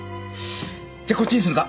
じゃこっちにするか。